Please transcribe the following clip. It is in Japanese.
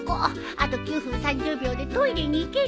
あと９分３０秒でトイレに行ける。